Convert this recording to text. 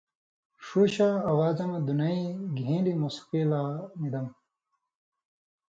ݜُو شاں آواز مہ دُنئیں گِھن٘لی موسیقی لا نی دم۔